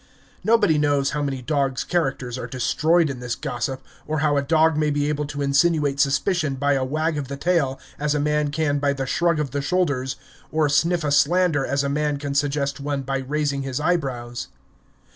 Nobody knows how many dogs' characters are destroyed in this gossip, or how a dog may be able to insinuate suspicion by a wag of the tail as a man can by a shrug of the shoulders, or sniff a slander as a man can suggest one by raising his eyebrows.